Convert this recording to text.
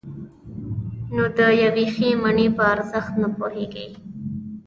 نو د یوې ښې مڼې په ارزښت نه پوهېږئ.